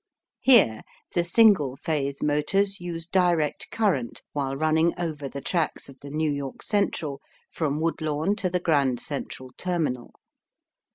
Here the single phase motors use direct current while running over the tracks of the New York Central from Woodlawn to the Grand Central Terminal.